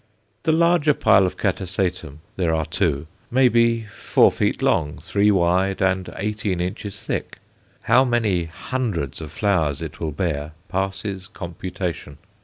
The larger pile of Catasetum there are two may be four feet long, three wide, and eighteen inches thick; how many hundreds of flowers it will bear passes computation.